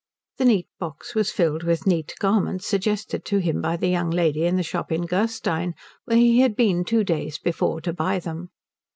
The neat box was filled with neat garments suggested to him by the young lady in the shop in Gerstein where he had been two days before to buy them.